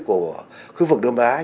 của khu vực đông nam á